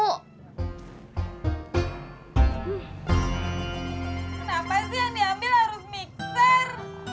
kenapa sih yang diambil harus mixer